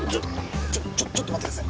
ちょっとちょっと待ってください